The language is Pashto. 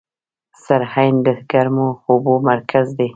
سرعین د ګرمو اوبو مرکز دی.